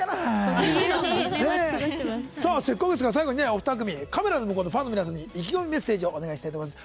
せっかくですからお二組カメラの向こうのファンの皆さんに意気込みメッセージお願いします。